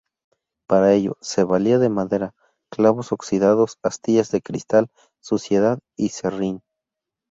Para ello se valía de madera, clavos oxidados, astillas de cristal, suciedad y serrín.